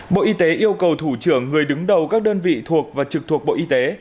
bộ y tế yêu cầu thủ trưởng người đứng đầu các đơn vị thuộc và trực thuộc bộ y tế